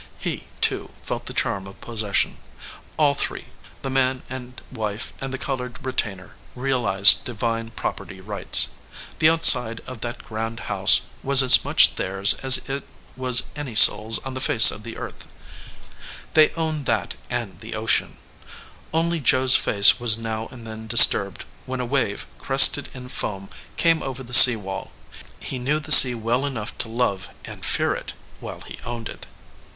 He, too, felt the charm of possession. All three, the man and wife and the colored re tainer, realized divine property rights. The out side of that grand house was as much theirs as it was any soul s on the face of the earth. They owned that and the ocean. Only Joe s face was now and then disturbed when a wave, crested in 146 THE OUTSIDE OF THE HOUSE foam, came over the sea wall. He knew the sea well enough to love and fear it, while he owned it.